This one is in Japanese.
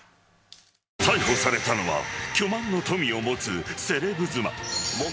逮捕されたのは巨万の富を持つセレブ妻。